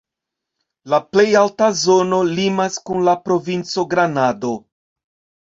La plej alta zono limas kun la provinco Granado.